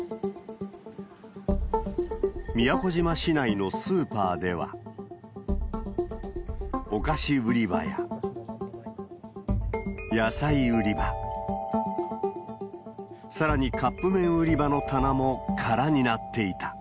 宮古島市内のスーパーでは、お菓子売り場や野菜売り場、さらにカップ麺売り場の棚も空になっていた。